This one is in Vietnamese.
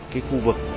cái khu vực